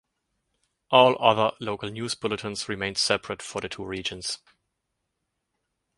All other local news bulletins remained separate for the two regions.